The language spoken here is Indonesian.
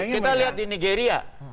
kita lihat di nigeria